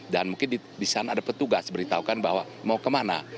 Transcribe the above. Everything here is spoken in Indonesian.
dan mungkin di sana ada petugas beritahukan bahwa mau kemana